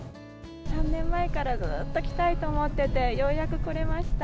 ３年前から、ずっと来たいと思ってて、ようやく来れました。